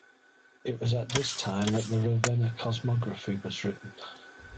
It was at this time that the Ravenna Cosmography was written.